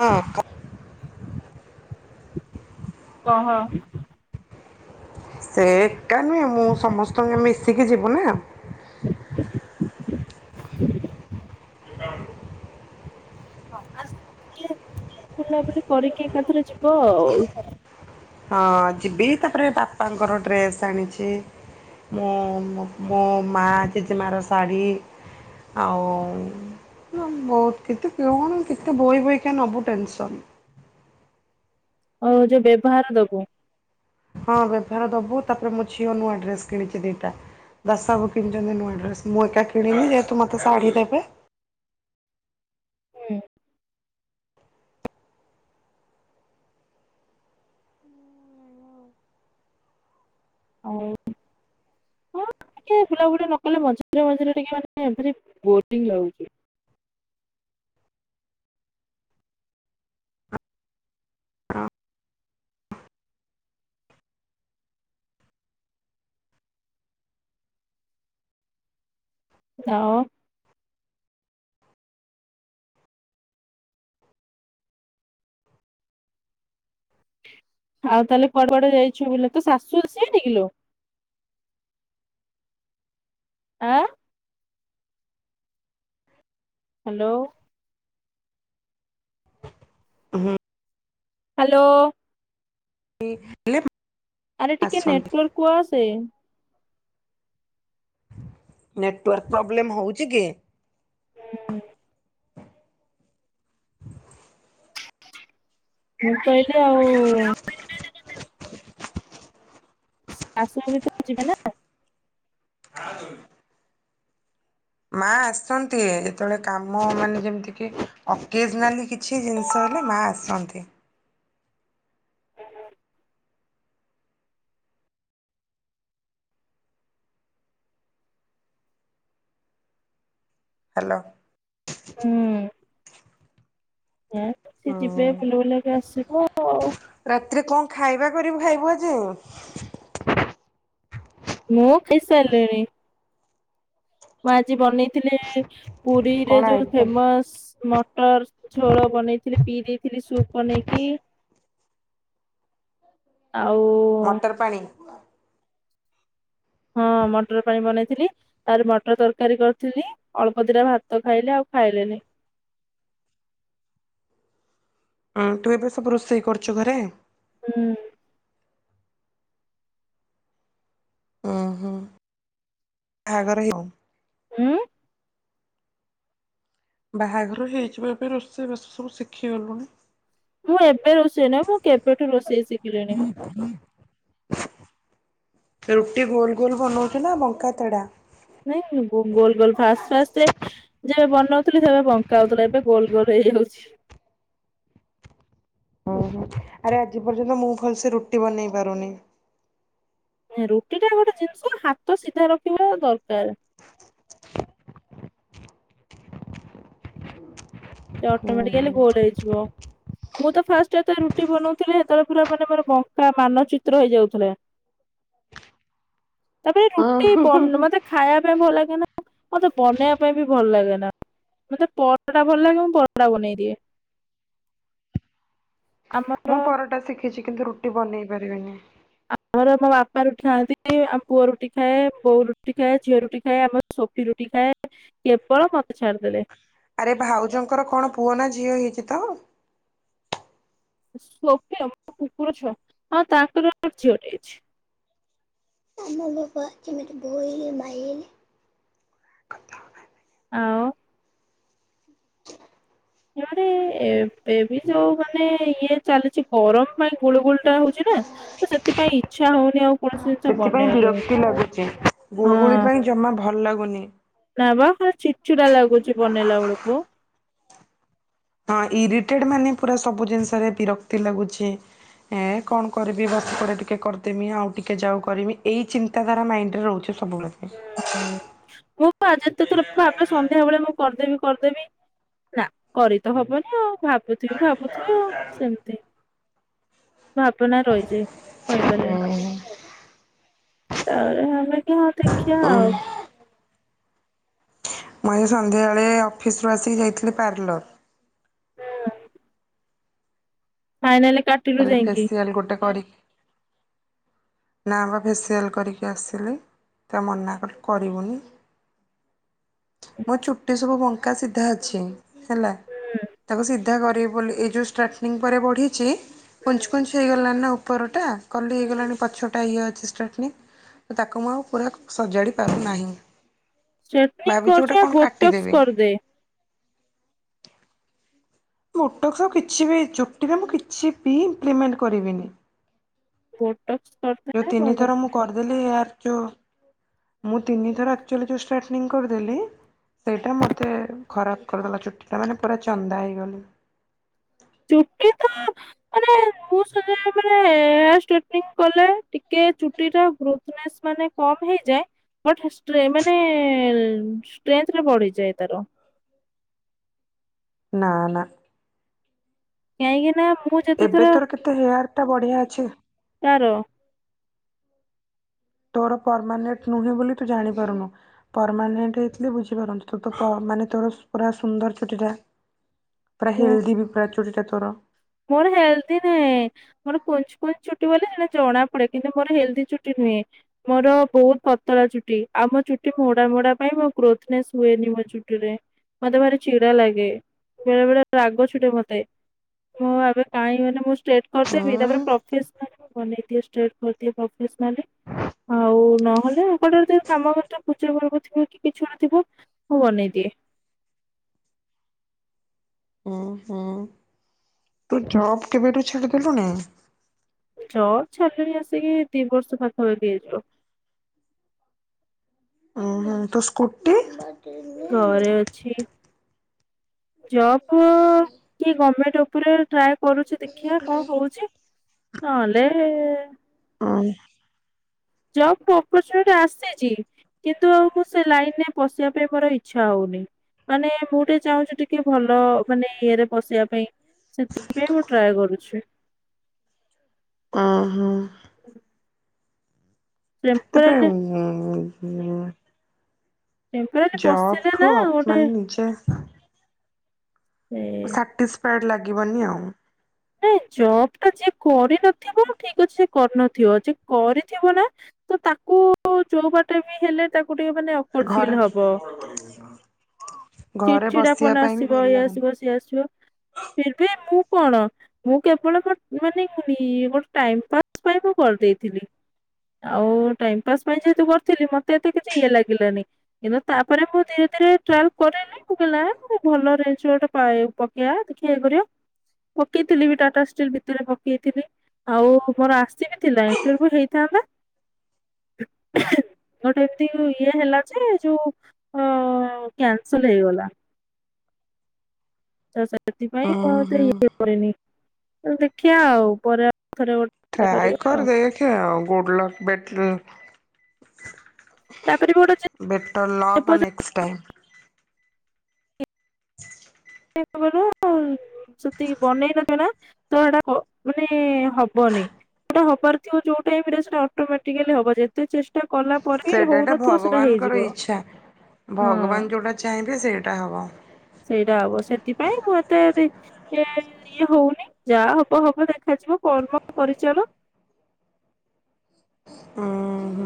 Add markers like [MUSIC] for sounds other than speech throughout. ହଁ କ କହ। ସେ ଏକା ନୁହେଁ। ମୁଁ ସମସ୍ତଙ୍କ ମିଶିକି ଯିବୁ ନା। ହଁ ଆସ ଟିକେ ବୁଲାବୁଲି କରିକି ଏକାଥରେ ଯିବ ଆଉ। ହଁ ଯିବି ତାପରେ ବାପାଙ୍କର ଡ୍ରେସ୍ ଆଣିଛି। ମୁଁ ମ ମୁଁ ମା ଜେଜେମା ର ଶାଢ଼ୀ ଆଉ ବହୁତ କେତେ କଣ କେତେ ବୋହି ବୋହିକା ନବୁ ଟେନସନ। ଓହ ଯୋଉ ବ୍ୟବହାର ଦବୁ। ହଁ, ବେଭାର ଦବୁ ତାପରେ ମୋ ଝିଅ ନୂଆ ଡ୍ରେସ କିଣିଛି ଦିଟା। ଦାଶ ବାବୁ କିଣିଛନ୍ତି ନୂଆ ଡ୍ରେସ୍ ମୁଁ ଏକା କିଣିନି ଯେହେତୁ ମୋତେ ଶାଢ଼ୀ ଦେବେ। ହୁଁ ଆଉ ହଁ ଟିକେ ବୁଲା ବୁଲି ନ କଲେ ମଝିରେ ମଝିରେ ଟିକେ ମାନେ ଏମିତି ବୋରିଙ୍ଗ ଲାଗୁଛି। ତାଓ ଆଉ ତାହେଲେ କୁଆଡେ କୁଆଡେ ଯାଇଛୁ ବୁଲି ତୋ ସାଶୁ ହର ସିଆଡେ କିଲୋ? ଆଁ? ହାଲୋ। ହୁଁ। ହାଲୋ। ଲି ଲେମ୍ ଆରେ ଟିକେ ନେଟୱାର୍କ କୁ ଆସେ। ନେଟୱାର୍କ ପ୍ରୋବ୍ଲେମ୍ ହଉଚି କି? ହୁଁ। ମୁଁ କହିଲି ଆଉ ଚାସୁ କର ତ ଯିବେ ନା [INAUDIBLE] ହଁ ତମେ ବି। ମା ଆସିଚନ୍ତି ଯେତେବେଳେ କାମ ମାନେ ଯେମିତି କି ଅକେଜ୍ନାଲି କିଛି ଛି ଜିନିଷ ହେଲେ ମା ଆସନ୍ତି। ହାଲୋ। ହୁଁ। ସିଏ ଯିବେ ବୁଲି ବୁଲାକି ଆସିବ। ଆଉ ରାତିରେ କଣ ଖାଇବା କରିବୁ ଖାଇବୁ ଆଜି? ମୁଁ ଖାଇ ସାରିଲିଣି। ମୁଁ ଆଜି ବନେଇଥିଲି ପୁରୀରେ କଣ ଯୋଉ ଆଇଟମ୍? ଫେମଶ୍। ମଟର ଝୋଳ ବନେଇଥିଲି ପିଇ ଦେଇଥିଲି ସୁପ୍ ବନେଇକି। ହୁଁ! ଆଉ ପାଣି। ହଁ ମଟର ପାଣି ବନେଇଥିଲି। ଆହୁରି ମଟର ତରକାରୀ କରିଥିଲି ଅଳ୍ପ ଦିଇଟା ଭାତ ଖାଇଲି ଆଉ ଖାଇଲିନି। ହୁଁ ତୁ ଏବେ ସବୁ ରୋଷେଇ କରୁଚୁ ଘରେ? ହୁଁ। ବାହଘର ହେଇନୁ? ହୁଁ। ବାହାଘର ହେଇଯିବା ଏବେପାଇଁ ରୋଷେଇବାସ ସବୁ ଶିଖି ଗଲୁଣି। ମୁଁ ଏବେ ରୋଷେଇ ନାହି ମୁଁ କେବେଠୁ ରୋଷେଇ ଶିଖିଲିଣି। ରୁଟି ଗୋଲ ଗୋଲ ବନଉଚୁ ନା ବଙ୍କା ତେଡା? ନାଇଁ ଗୋଲ ଗୋଲ ଫାଷ୍ଟ ଫାଷ୍ଟଏ ଯେବେ ବନୋଉଥିଲି ସେବେ ବଙ୍କା ହୋଉଥିଲା ଏବେ ଗୋଲ ଗୋଲ ହେଇଯାଉଚି। ଓ ହୋ ଆରେ ଆଜି ପର୍ଯ୍ୟନ୍ତ ମୁଁ ଭଲସେ ରୁଟି ବନେଇ ପାରୁନି। ରୁଟି ଟା ଗୋଟେ ଜିନିଷ ହାତ ସିଧା ରଖିବା ଦରକାର। ସେଇଟା ହୁଁ ଅଟୋମେଟିକାଲି ଗୋଲ ହେଇଯିବ। ମୁଁ ତ ଫାଷ୍ଟ ଜେବେଳେ ରୁଟି ବନଉଥିଲି ସେତେବେଳେ ପୁରା ମାନେ ମୋର ବଙ୍କା ମାନ ଚିତ୍ର ହେଇଯାଉଥିଲା। [UNINTELLIGIBLE] ତାପରେ ରୁଟି ହୁଁ। ବନ ମତେ ଖାଇବା ପାଇଁ ଭଲ ଲାଗେ ନା। ମତେ ବନେଇବା ପାଇଁ ବି ଭଲ ଲାଗେ ନା ମତେ ପରଟା ଟା ଭଲ ଲାଗେ ମୁଁ ପରଟା ବନେଇ ଦିଏ ଆମର ମୁଁ ପରଟା ଶିଖିଛି କିନ୍ତୁ ରୁଟି ବନେଇ ପାରିବିନି। ଆମର ବାପା ରୁଟି ଖାଆନ୍ତି ଆମ ପୁଅ ରୁଟି ଖାଏ ବୋଉ ରୁଟି ଖାଏ ଝିଅ ରୁଟି ଖାଏ ଆମ ସୋଫି ରୁଟି ଖାଏ କେବଳ ମତେ ଛାଡିଦେଲେ। ଆରେ ଭାଉଜଙ୍କର କଣ ପୁଅ ନା ଝିଅ ହେଇଚି ତ? ସୋଫିଅମ ତୋ କୁକୁର ଛୁଆ ହଁ ତାଙ୍କର ଗୋଟେ ଝିଅଟେ ହେଇଚି। ଅନୁଭବ ଯେମିତି ଭୋଇଲ ମାଇଲ [INAUDIBLE] ଆଉ ଯୋଉ ମାନେ ଏବେ ଯୋଉ ମାନେ ଇଏ ଚାଲିଚି ଗରମ ପାଇଁ ଗୁଳୁ ଗୁଳି ଟା ହଉଚି ନା ତ ସେଥିପାଇଁ ଇଚ୍ଛା ହଉନି ଆଉ କୌଣସି ଜିନିଷ ସେଥିପାଇଁ ବନେଇବା ପା ବିରକ୍ତି ଲାଗୁଚି! ଗୁଳୁଗୁଳି ପାଇଁ ଜମା ଭଲ ଲାଗୁନି! ନା ବା ଖାଲି ଚିଡି ଚିଡା ଲାଗୁଛି ବନେଇଲା ବେଳକୁ! ହଁ ଇରିଟେଡ ମାନେ ପୁରା ସବୁ ଜିନିଷରେ ବିରକ୍ତି ଲାଗୁଚି। ଏଁ କଣ କରିବି ବସପଡେ ଟିକେ କରିଦେମି ଆଉ ଟିକେ ଯାଉ କରିମି ଏଇ ଚିନ୍ ତା ଧାରା ମାଇଣ୍ଡରେ ରହୁଛି ସବୁବେଳେ ପାଇଁ। ହୁଁ ମୁଁ ପା ଯେତେ ଥର ଭାବେ ସନ୍ଧ୍ୟାବେେଳେ ମୁଁ କରିଦେବି କରିଦେବି ନା କରି ତ ହବନି ଆଉ ଭାବୁଥିବି ଭାବୁଥିବି ଆଉ ସେମିତି। ଭାବନା ରହିଯାଏ କହିପାରେନି ତା [UNINTELLIGIBLE] ଖିଆ ଆଉ। ମୁଁ ଏଇ ସନ୍ଧ୍ୟାବେଳେ ଅଫିସ ରୁ ଆସିକି ଯାଇଥିଲି ପାର୍ଲର। ଫାଇନାଲି କାଟ୍ ଖାଲି ଫେସିଆଲ ଗୋଟେ କରି ନା ବା ଫେସିଆଲ୍ କରିକି ଆସିଲି ତୁଆ ମନା କଲୁ କରିବୁନି। ମୋ ଚୁଟି ସବୁ ବଙ୍କା ସିଧା ଅଛି ହେଲା ତାକୁ ସି ଧା କରିବି ବୋଲି ଏଇ ଯୋଉ ଷ୍ଟାର୍ଟିଂ ପରେ ବଢ଼ିଛି କୁଞ୍ଚ୍ କୁଞ୍ଚ୍ ହେଇଗଲାନି ନା ଉପରଟା କଲି ହେଇଗଲାଣି ପଛଟା ଇଏ ଅଛି ଷ୍ଟଟ୍ନୀ। ତାକୁ ମୁଁ ଆଉ ପୁରା ସଜାଡ଼ି ପାରୁନାହିଁ ଷ୍ଟ୍ରେଟନିଂ ଭାବିଛି କରୁଛୁ ଗୋଟେ ଆଉ କଣ ବୋଟକ୍ସ କାଟିଦେବି। କରିଦେ ମୁଟକ ସ କିଛି ବି ଚୁଟିରେ ମୁଁ କିଛି ବି ଇମ୍ପ୍ଲିମେଣ୍ଟ କରିବିନି। ଫୋଟକ୍ସ କରିଥାଏ [UNINTELLIGIBLE] ଚୁଆଲି ଆର୍ ଯୋଉ ମୁଁ ତିନି ଥର ଆକ୍ଚୂଆଲି ଯୋଉ ଷ୍ଟାଟନିଙ୍ଗ କରିଦେଲି ସେଇଟା ମୋତେ ଖରାପ କରିଦେଲା ଚୁଟିଟା ମାନେ ପୁରା ଚନ୍ଦା ହେଇଗଲି। ଚୁଟି ତ ମାନେ ମୁଁ ସେରା ମାନେ ସେ ଆ ଷ୍ଟେଟନିଂ କଲେ ଟିକେ ଚୁଟି ଟା ଗ୍ରୋଥ୍ ନେସ ମାନେ କମ ହେଇଯାଏ ବଟ୍ ହେଁ ଷ୍ଟେ ମାନେ ଷ୍ଟ୍ରେନ୍ଥ ଟା ବଢିଯାଏ ତାର। ନା ନା। କାହିଁକି ନା ମୁଁ ଏବେ ଯେତେଥର ତୋର କେତେ ହେୟାର ଟା ବଢିଆ ଅଛି ତାର ତୋର ପରମାନେେଣ୍ଟ ନୁହେଁ ବୋଲି ତୁ ଜାଣିପାରୁନୁ। ପରମାନେଣ୍ଟ ହେଇଥିଲେ ବୁଝିପାରନ୍ତୁ ତୁ ତ ପ ମାନେ ତୋର ପୁରା ସୁନ୍ଦର ଚୁଟି ଟା। ପୁରା ମୁଁ ହେଲଦି ବି ପୁରା ଚୋଟିଟା ତୋର। ମୋର ହେଲ୍ଦି ନାହିଁ ମୋର କୁଞ୍ଚ୍ କୁଞ୍ଚ ଚୂଟି ବୋଲି ସେଥିପା ଜଣା ପଡେ କିନ୍ତୁ ମୋର ହେଲ୍ଦି ଚୁଟି ନୁହେଁ। ମୋର ବହୁତ ପତଳା ଚୁଟି ଆଉମ ଚୁଟି ମୋଡା ମୋଡା ପାଇଁ ମୋ ଗ୍ରୋଥନେସ ହୁଏନି ମୋ ଚୁଟିରେ। ମତେ ମତେ ଚିଡା ଲାଗେ ବେଳେ ବେଳେ ରାଗ ଚି ଲଡେ ମତେ। ମୁଁ ଆବେ କାହିଁ ଏରା ମୁଁ ଷ୍ଟେଟ୍ ଉଁ କରିଦେବି ତାପରେ ପ୍ରଫେସନାଲ ବନେଇ ଦିଏ ଷ୍ଟ୍ରେଟ କରିଦିଏ ପ୍ରଫେସନାଲ ରେ। ଆଉ ନହେଲେ ଅ କଟରେ ଯଦି କାମ ଗଟା ପୂଜା ପର୍ବ ଥିବ କି କିଛି କଣ ଥିବ ମୁଁ ବନେଇଦିଏ। ଓହ। ତୁ ଜବ୍ କେବେଠୁ ଛାଡ଼ିଦେଲୁନି। ଜବ୍ ଛାଡ୍ଲିଣୀ ଆସିକି ଦି ବର୍ଷ ପାଖାପାଖୀ ହେଇଯିବ। ହଁ ତୋ ସ୍କୁଟି? ଘରେ ଅଛି। ଜବ କି ଗଭର୍ମେଣ୍ଟ ଉପରେ ଟ୍ରାଏ କରୁଛି ଦେଖିବା କଣ ହଉଛି ନହେଲେ ହୁଁ। ଜବ୍ ଅପର୍ଚୁନିଟି ଆସିଛି। କିନ୍ତୁ ଆଉ ମୁଁ ସେ ଲାଇନ ରେ ପଶିବା ପାଇଁ ମୋର ଇଚ୍ଛା ହଉନି। ମାନେ ମୁଁ ଟିକେ ଚାହୁଁଛି ଟିକେ ଭଲ ମାନେ ଇଏରେ ବସିବା ପାଇଁ। ସେଥିପାଇଁ ମୁଁ ଟ୍ରାଏ କରୁଛି। ଓହୋ। ତାପରେ ଟେମ୍ପୋରାରୀ ଉ ଟେମ୍ପୋରାରୀ ପଶିଲେ ନା ଗୋଟେ ଆଚ୍ଛା। ହୁଁ। ସାଟିସ୍ଫାଏଡ଼ ଲାଗିବନି ଆଉ। ନାଇଁ ଜବ୍ ଟା ଯିଏ କରିନଥିବ ଠିକ୍ ଅଛି ସେ କରିନଥିବ, ଯେ କରିଥିବ ନା ତ ତାକୁ ଯୋଉ ବାଟେ ବି ହେଲେ ତାକୁ ଟିକେ ମାନେ ଅକୱାର୍ଡ ଘର ଫିଲ୍ ହବ। ଚିଡ୍ ଚିଡ଼ା ପଣ ଆସିବ ଇଏ ଆସିବ ସିଏ ଆସିବ ଫେବେ ମୁଁ କଣ ମୁଁ କେବଳ ମାନେ କୁ ଗୋଟେ ଟାଇମ ପାସ୍ ପାଇଁ ମୁଁ କରିଦେଇଥିଲି। ଆଉ ଟାଇମ ପାସ୍ ପାଇଁ ଯେହେତୁ କରିଥିଲି ମତେ ଏତେ କିଛି ଇଏ ଲାଗିଲାନି। କିନ୍ତୁ ତାପରେ ମୁଁ ଧୀରେ ଧୀରେ ଟ୍ରାଲ କରଲିି। ପକିଲେ ଭଲ ରେଜଲଟ ପାଏ ପକେଇବା ଦେଖିବା ଇଏ କରିବା। ପକେଇଥିଲି ବି ଟାଟା ଷ୍ଟିଲ୍ ଭିତରେ ପକେଇଥିଲି। ଆଉ ମୋର ଆସିବି ଥିଲା ଇଣ୍ଟରଭ୍ୟୁ ହେଇଥାନ୍ତା। ଗୋଟେ ଏମିତି ଇଏ ହେଲା ଯେ ଯୋଉ ଅ କ୍ୟାନସେଲ ହେଇଗଲା। ତ ସେଥିପାଇଁ ମୁଁ ଉଁ ଏତେ ହୁଁ। ଇଏ କରେନି ତ ଦେଖିବା ଆଉ ପରେ ଆଉ ଥରେ ଗୋଟେ ଟ୍ରାଏ କରିବା ଆଉ। କରେଦଖେ ଆଉ ଗୁଡ ଲକ୍ ବ୍ୟାଡ ଲକ୍। ତାପରେ ବି ଗୋଟେ ଯେ ଯେପଯନ୍ତ ନେକ୍ସଟ୍ [INAUDIBLE] [UNINTELLIGIBLE] ସେତିକି ବନେଇନଥିବ ନା ତ ଏଟା ମାନେ ହବନି। ସେଇଟା ହବାର ଥିବ ଯୋଉ ଟାଇମ ରେ ସେଟା ଅଟୋମଟିକାଲି ହବ ଯେତେ ଚେଷ୍ଟା କଲା। ପରେ ବି ସେଇଟା ଏଟା ହଉନଥିବ ସେଟା ହେଇଯିବ। ଭଗବାନଙ୍କର ଇଚ୍ଛା ହଁ ଭଗବାନ ଯୋଉଟା ଚାହିଁବେ ସେଇଟା ହବ। ସେଇଟା ହବ ସେଥିପାଇଁ ମୁଁ ଏତେ ସେ ଇଏ ହଉନି ଯାହା ହବ ହବ ଦେଖାଯିବ କର୍ମ କରିଚାଲ। ହୁଁ।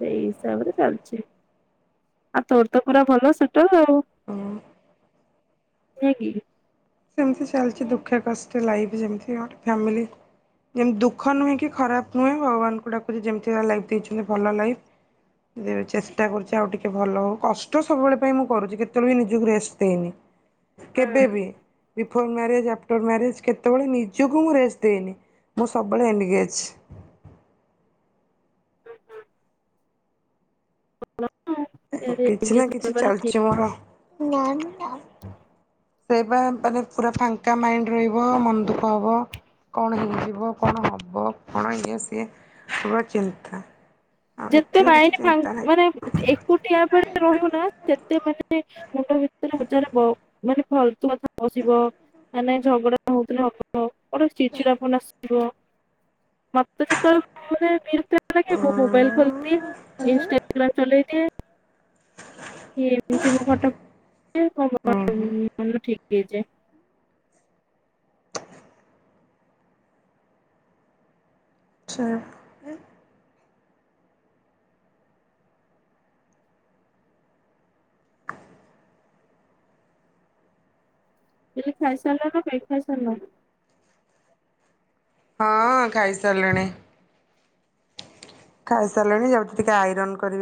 ସେଇ ହିସାବରେ ଚାଲିଛି। ଆଉ ତୋର ତ ପୁରା ଭଲ ସେଟା ଆଉ ହୁଁ। ନୁହେ କି। ଏମିତି ଚାଲିଛି ଦୁଃଖ କଷ୍ଟେ ଲାଇଫ ଯେମିତି ଗଟେ ଫାମିଲ ଯେମିତି ଦୁଃଖ ନୁହେଁ କି ଖରାପ ନୁହେଁ, ଭଗବାନଙ୍କୁ ଡାକୁଚି ଯେମିତିଆ ଲାଇଫ୍ ଦେଇଛନ୍ତି ଭଲ ଲାଇଫ। ଯ ଚେଷ୍ଟା କରୁଛି ଆଉ ଟିକେ ଭଲ ହଉ କଷ୍ଟ ସବୁବେଳେ ପାଇଁ ମୁଁ କରୁଚି କେତେବେଳେ ବି ନିଜକୁ ରେଷ୍ଟ ଦେଇନି। କେବେ ବି। ବିଫୋର୍ ମ୍ୟାରେଜ ଆଫ୍ଟର ମ୍ୟାରେଜ୍ କେତେବେଳେ ନିଜକୁ ମୁଁ ରେଷ୍ଟ ଦେଇନି ମୁଁ ସବୁବେଳେ ଏନଗେଜ। କିଛି ନା କିଛି ହୁଁ ଚାଲିଛି ମୋର। ସେଇ ବା ମାନେ ପୁରା ଫାଙ୍କା ମାଇଣ୍ଡ ରହିବ ମନ ଦୁଃଖ ହବ। କଣ ହେଇଯିବ କଣ ହବ କଣ ଇଏ ସିଏ ପୁରା ଚିନ୍ତା। ଆଉ ଯେତେ ଏଥିରେ କିଛି ମାଇଣ୍ଡ ମା ଚିନ୍ତା ନାହିଁ। ମାନେ ଏକୁଟିଆ ପରେ ରହିବ। ସେତେ ମାନେ ମୁଣ୍ଡ ଭିତରେ ଉଜନ ର ମାନେ ଫାଲତୁ କଥା ପସିବ। ମାନେ ଝଗଡା ହଉଥିଲେ ହବ। ଗୋଟେ ଚିଚିଡ଼ାପନ ଆସୁଥିବ ମୋତେ ଯେତେବେଳେ ମୁଁ ମାନେ ବିର ସେଥିଲାଗି ମୁଁ ମୋବାଇଲ ଖୋଲିଦିଏ ଇନଷ୍ଟାଗ୍ରାମ ଚଲେଇ ଦିଏ। ଏମିତି ହୁଁ ହୁଁ [INAUDIBLE] ହେଇଯାଏ। ଆଛା। କହିଲି ଖାଇସାରିଲ ନା ଖାଇ ଖୁଆ ସାରଲ ହଁ ଖାଇସାରିଲିଣି। ଖାଇସାରିଲିଣି ଯାଉଚି ଟିକେ ଆଇରନ କରିବି